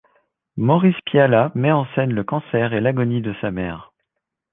Maurice Pialat met en scène le cancer et l'agonie de sa mère.